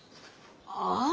ああ。